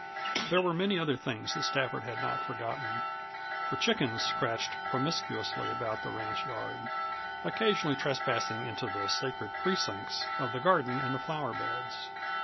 There were many other things that Stafford had not forgotten, for chickens scratched promiscuously about the ranch yard, occasionally trespassing into the sacred precincts of the garden and the flower beds.